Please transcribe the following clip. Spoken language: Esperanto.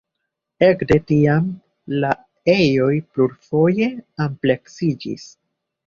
Ekde tiam la ejoj plurfoje ampleksiĝis.